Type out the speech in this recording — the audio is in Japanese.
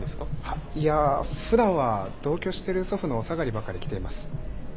いやふだんは同居してる祖父のお下がりばかり着ています。